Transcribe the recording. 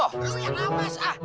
kamu yang awas ah